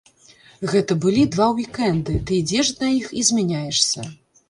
Гэта былі два ўік-энды, ты ідзеш на іх і змяняешся.